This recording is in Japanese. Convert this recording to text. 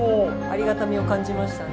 ありがたみを感じましたね。